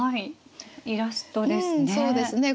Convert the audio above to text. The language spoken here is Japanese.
イラストですね。